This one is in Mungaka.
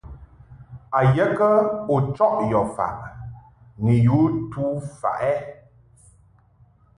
A ye kə u chɔʼ yɔ faʼ ni yu tu faʼ ?